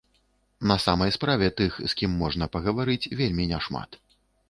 На самай справе тых, з кім можна пагаварыць, вельмі няшмат.